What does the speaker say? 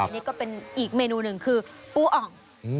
นี่ก็เป็นอีกเมนูหนึ่งคือปูอ่อง